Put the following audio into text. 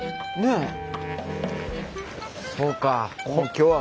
そうか。